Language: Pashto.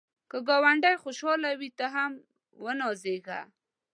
که ګاونډی خوشحال وي، ته هم ونازېږه